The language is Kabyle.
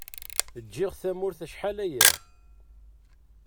Ǧǧiɣ tamurt acḥal aya.